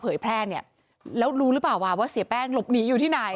แพร่เนี่ยแล้วรู้หรือเปล่าว่าเสียแป้งหลบหนีอยู่ที่ไหน